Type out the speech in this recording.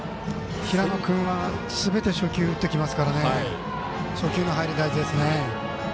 平野君はすべて初球、打ってきますから初球の入り、大事ですね。